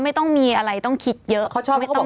ไม่ต้องมีอะไรต้องคิดเยอะ